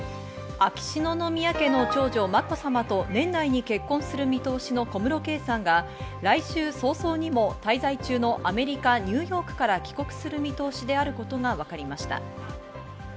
秋篠宮家の長女・まこさまと年内に結婚する見通しの小室圭さんが、来週早々にも滞在中のアメリカ・ニューヨークから帰国する見通しであることが分かりました。